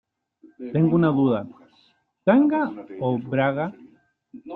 tengo una duda, ¿ tanga o braga?